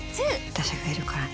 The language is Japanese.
私がいるからね。